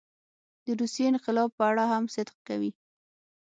د روسیې انقلاب په اړه هم صدق کوي.